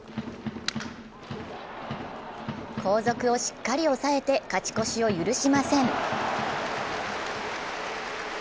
後続をしっかり抑えて勝ち越しを許しません。